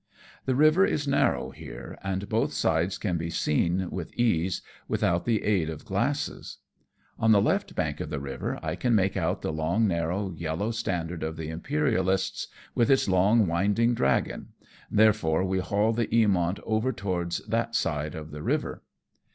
The river is narrow here, and both sides can be seen, with ease, without the aid of glasses. On the left bank of the river I can make out the long, narrow, yellow standard of the Imperialists, with its long winding dragon, therefore we haul the Eamont over towards that side of the river.